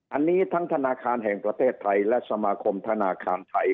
อันนี้ทั้งธนาคารแห่งประเทศไทยและสมาคมธนาคารไทย